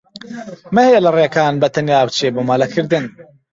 مەهێڵە ڕێکان بەتەنها بچێت بۆ مەلەکردن.